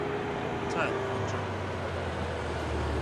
再來一張